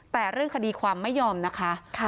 แต่เรื่องคดีความไม่ยอมนะคะ